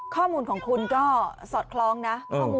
ข้อมูลของคุณก็สอดคล้องนะข้อมูล